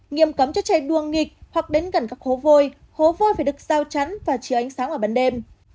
nghiêm cấm cho trẻ đuông nghịch hoặc đến gần các hố vôi hố vôi phải được dao chắn và chứa ánh sáng ở bắn đêm